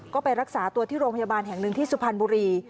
ก็ไปรักษาตัวที่โรงพยาบาลแห่งหนึ่งที่สุพรรณบุรี